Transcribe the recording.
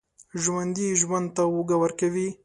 ژوندي ژوند ته اوږه ورکوي